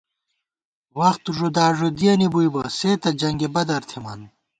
وخت ݫُداݫُدِیَنی بُوئی بہ ، سے تہ جنگِ بدَر تھِمان